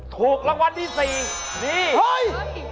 ถูกรางวัลที่สี่ดี